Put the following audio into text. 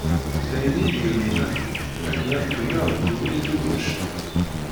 D ayen i yi-d-irennun afud, akken ad kemmleɣ deg ubrid-iw n ccna.